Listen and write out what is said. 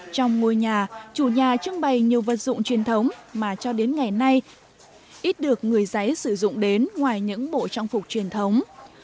trong ngôi nhà chủ nhà trưng bày nhiều vật dụng truyền thống mà cho đến ngày nay ít được người giấy sử dụng đến ngoài những bộ trang phục truyền thống